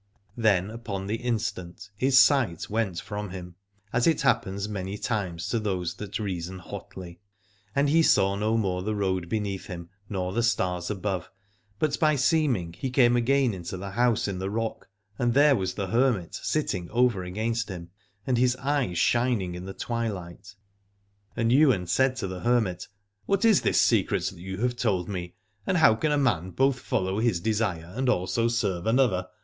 Then upon the instant his sight went from him, as it happens many times to those that reason hotly. And he saw no more the road beneath him nor the stars above, but by seem ing he came again into the house in the rock, and there was the hermit sitting over against him, and his eyes shining in the twilight. And Ywain said to the hermit : What is this secret that you have told me, and how can a man both follow his desire and also serve another